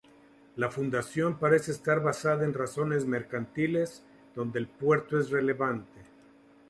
La fundación parece estar basada en razones mercantiles, donde el puerto es relevante.